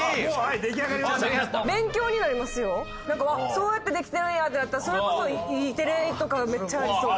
「そうやってできてるんや」ってなったらそれこそＥテレとかめっちゃありそう。